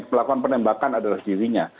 melakukan penembakan adalah dirinya